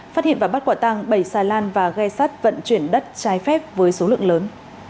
phát hiện và bắt quả tăng bảy xà lan và ghe sắt vận chuyển đất trái phép với số lượng lớn